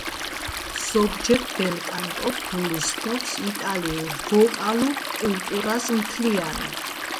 ზოგჯერ ბელკანტო გულისხმობს იტალიურ ვოკალურ კულტურას მთლიანად.